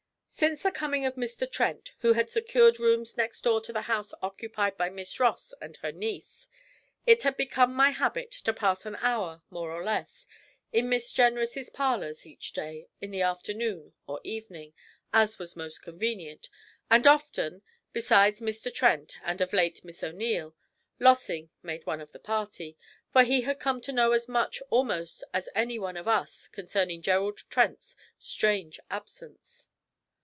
Since the coming of Mr. Trent, who had secured rooms next door to the house occupied by Miss Ross and her niece, it had become my habit to pass an hour, more or less, in Miss Jenrys' parlours each day in the afternoon or evening, as was most convenient, and often, besides Mr. Trent, and of late Miss O'Neil, Lossing made one of the party; for he had come to know as much, almost, as any one of us concerning Gerald Trent's strange absence.